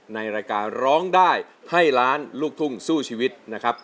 ในรายการร้องได้ให้ล้านลูกทุ่งสู้ชีวิตนะครับ